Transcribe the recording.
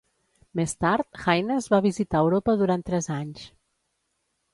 Més tard, Haines va visitar Europa durant tres anys.